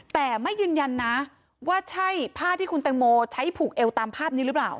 แต่ไม่ยืนยันนะว่าใช่ผ้าที่คุณแตงโมใช้ผูกเอวตามภาพนี้หรือเปล่า